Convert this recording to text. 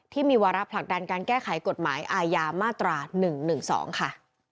ที่มีวาระผลักดันการแก้ไขกฎหมายอาญามาตรา๑๑๒ค่ะ